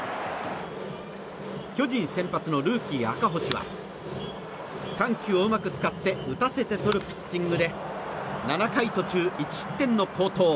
巨人先発のルーキー、赤星は緩急をうまく使って打たせて取るピッチングで７回途中１失点の好投。